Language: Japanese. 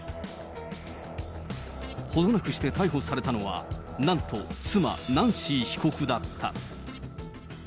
程なくして逮捕されたのが、なんと、妻、ナンシー被告だった。